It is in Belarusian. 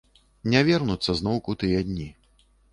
Не вярнуцца зноўку тыя дні.